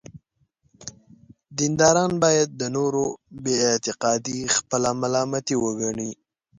دینداران باید د نورو بې اعتقادي خپله ملامتي وګڼي.